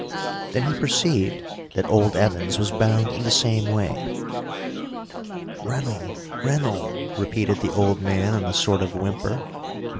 Then he perceived that old Evans was bound in the same way. "Rennell! Rennell!" repeated the old man in a sort of whimper.